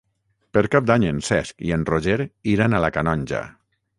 Per Cap d'Any en Cesc i en Roger iran a la Canonja.